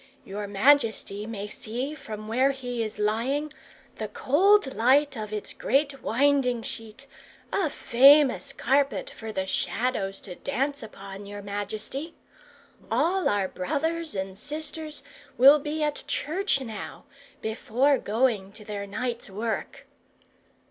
Your majesty may see, from where he is lying, the cold light of its great winding sheet a famous carpet for the Shadows to dance upon, your majesty. All our brothers and sisters will be at church now, before going to their night's work."